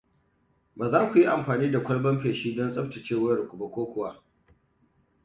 Ba za ku yi amfani da kwalban feshi don tsabtace wayarku ba, ko kuwa?